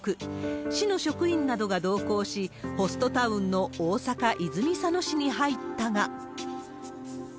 市の職員などが同行し、ホストタウンの大阪・泉佐野市に入ったが。